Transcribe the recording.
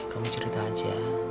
kamu cerita aja